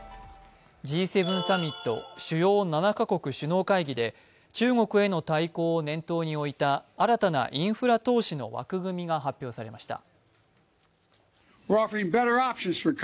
Ｇ７サミット＝主要７カ国首脳会議で中国への対抗を念頭に置いた新たなインフラ投資の枠組みが発表されました。